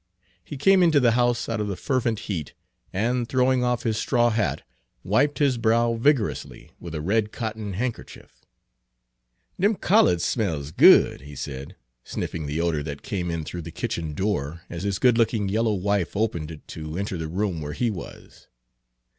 He came into the house out of the fervent heat, and, throwing off his straw hat, wiped his brow vigorously with a red cotton handkerchief. "Dem collards smells good," he said, sniffing the odor that came in through the kitchen door, as his good looking yellow wife opened it to enter the room where he was.